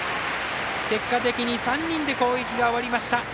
結果的に３人で攻撃が終わりました。